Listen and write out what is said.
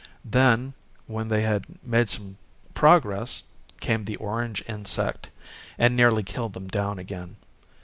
Then, when they had made some progress.came the orange insect, and nearly killed them down again.